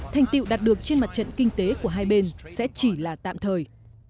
thành tiệu đạt được trên mặt trận kinh tế của hai bên sẽ chỉ là tạm thời